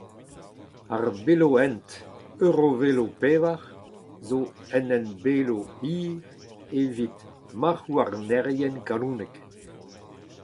Ar Belohent “Eurovelo pevar” zo un hent-belo hir evit marc’hhouarnerien galonek.